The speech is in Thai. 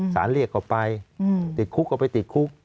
เรียกก็ไปติดคุกก็ไปติดคุก